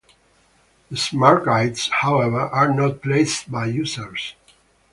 The "smart guides" however, are not placed by users.